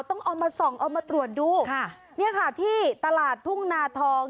ต้องเอามาส่องเอามาตรวจดูค่ะเนี่ยค่ะที่ตลาดทุ่งนาทอง